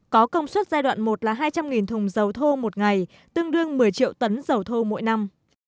có công suất giai đoạn một là hai trăm linh thùng dầu thô một ngày tương đương một mươi triệu tấn dầu thô mỗi năm